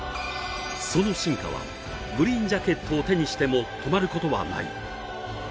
その進化はグリーンジャケットを手にしても止まることはない。